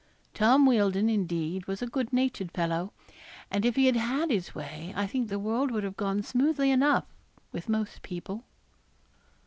Tom Wealdon, indeed, was a good natured fellow: and if he had had his way, I think the world would have gone smoothly enough with most people.